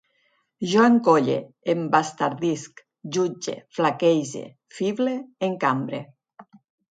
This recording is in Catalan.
Jo encolle, embastardisc, jutge, flaquege, fible, encambre